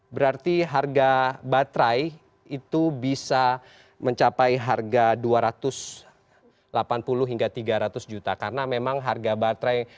berarti harga baterai itu bisa mencapai harga dua ratus delapan puluh hingga tiga ratus juta karena memang harga baterai